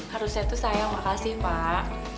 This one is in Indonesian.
harusnya tuh saya makasih pak